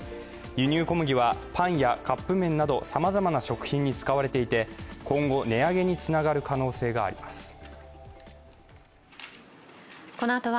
輸入小麦はパンやカップ麺などさまざまな食品に使われていて今後、値上げにつながる可能性があります。